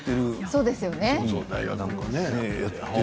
そうですよね。